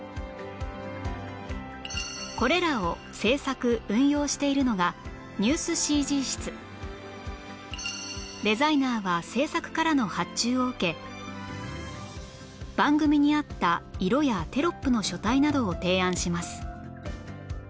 これらを制作・運用しているのがデザイナーは制作からの発注を受け番組に合った色やテロップの書体などを提案します